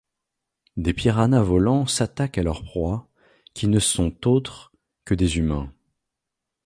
Des piranhas volants s'attaquent à leurs proies, qui ne sont autres que des humains.